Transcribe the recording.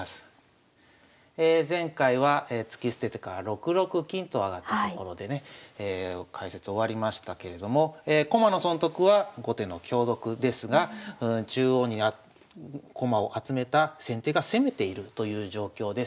前回は突き捨ててから６六金と上がったところでね解説終わりましたけれども駒の損得は後手の香得ですが中央に駒を集めた先手が攻めているという状況です。